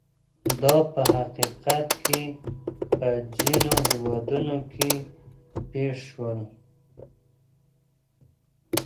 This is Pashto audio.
دا په حقیقت کې په ځینو هېوادونو کې پېښ شول.